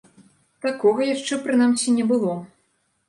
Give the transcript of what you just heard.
Такога яшчэ, прынамсі, не было.